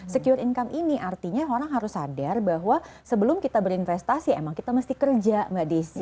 secure income ini artinya orang harus sadar bahwa sebelum kita berinvestasi emang kita mesti kerja mbak desi